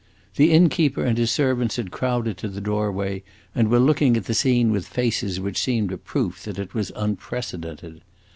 The innkeeper and his servants had crowded to the doorway, and were looking at the scene with faces which seemed a proof that it was unprecedented.